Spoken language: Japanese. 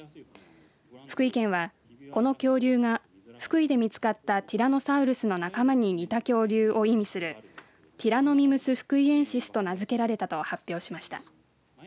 福井県は、この恐竜が福井で見つかったティラノサウルスの仲間に似た恐竜を意味するティラノミムス・フクイエンシスと名付けられたと発表しました。